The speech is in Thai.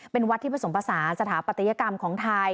เป็นวัดที่ผสมภาษาสถาปัตยกรรมของไทย